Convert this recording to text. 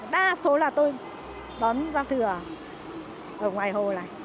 đa số là tôi đón giao thừa ở ngoài hồ này